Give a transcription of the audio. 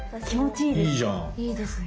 いいですね。